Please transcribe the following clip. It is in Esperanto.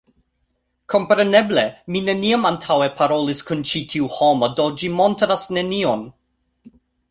Kompreneble, mi neniam antaŭe parolis kun ĉi tiu homo do ĝi montras nenion